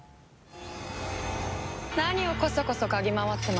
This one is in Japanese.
何をコソコソ嗅ぎ回ってますの？